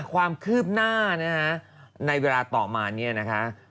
ความคืบหน้าในเวลาต่อมานี้นะคะ